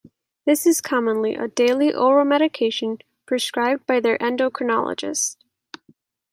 This is commonly a daily oral medication prescribed by their endocrinologist.